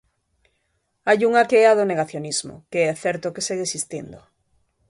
Hai unha que é a do negacionismo, que é certo que segue existindo.